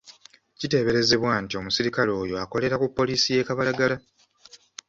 Kiteeberezebwa nti omusirikale oyo akolera ku poliisi y'e Kabalagala.